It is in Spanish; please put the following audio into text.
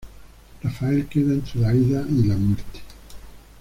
Rafael queda entre la vida y la muerte.